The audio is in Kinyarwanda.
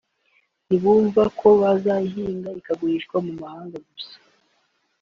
ntibumve ko bazayihinga ikagurishwa mu mahanga gusa